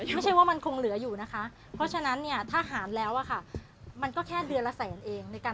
ไม่ใช่ว่ามันคงเหลืออยู่ไม่ใช่ว่ามันคงเหลืออยู่นะคะ